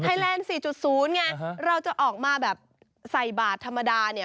แลนด์๔๐ไงเราจะออกมาแบบใส่บาทธรรมดาเนี่ย